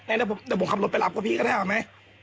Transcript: เดี๋ยวผมขับรถไปรับกับพี่ก็ได้อ่ะ